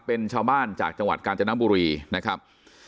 เป็นชาวบ้านจากจังหวัดกาญจนบุรีนะครับ